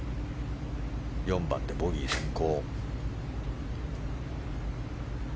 ４番でボギー先行。